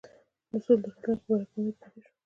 د سولي د راتلونکي په باره کې امید پیدا شو.